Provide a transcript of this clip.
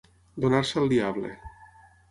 Donar-se al diable.